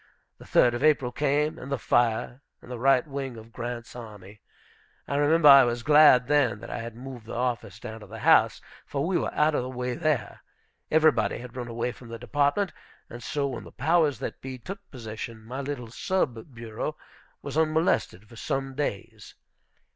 The third of April came, and the fire, and the right wing of Grant's army. I remember I was glad then that I had moved the office down to the house, for we were out of the way there. Everybody had run away from the Department; and so, when the powers that be took possession, my little sub bureau was unmolested for some days.